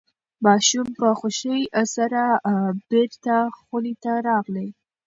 ماشوم په خوښۍ سره بیرته خونې ته راغی.